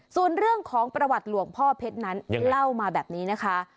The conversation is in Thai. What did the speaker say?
ส่วนเรื่องของประวัติหลวงพ่อเพชรนั้นเล่ามาแบบนี้นะคะ